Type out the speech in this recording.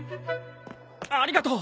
ありがとう。